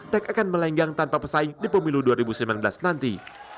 tak akan melenggang tanpa pesaing di pemilu dua ribu sembilan belas nanti